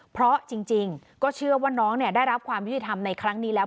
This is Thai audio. เพราะจริงก็เชื่อว่าน้องได้รับความยุติธรรมในครั้งนี้แล้ว